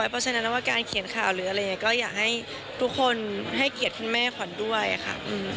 เพราะฉะนั้นว่าการเขียนข่าวหรืออะไรอย่างนี้ก็อยากให้ทุกคนให้เกียรติคุณแม่ขวัญด้วยค่ะ